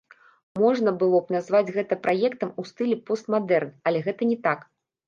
Можна было б назваць гэта праектам у стылі пост-мадэрн, але гэта не так.